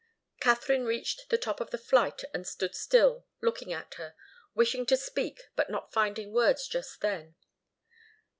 Katharine reached the top of the flight and stood still, looking at her, wishing to speak but not finding words just then.